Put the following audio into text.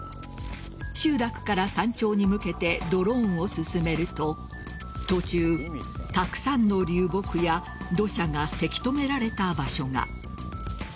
集落から山頂に向けてドローンを進めると途中、たくさんの流木や土砂がせき止められた場所が。